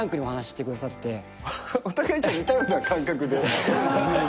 お互いじゃあ似たような感覚でＺｏｏｍで。